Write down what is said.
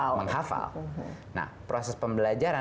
nah proses pembelajaran itu ini adalah proses pembelajaran